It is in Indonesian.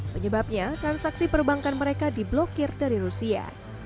penyebabnya transaksi perbankan mereka diblokir dari rusia